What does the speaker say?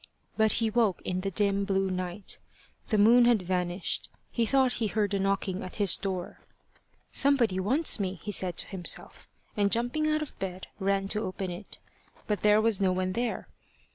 But he woke in the dim blue night. The moon had vanished. He thought he heard a knocking at his door. "Somebody wants me," he said to himself, and jumping out of bed, ran to open it. But there was no one there.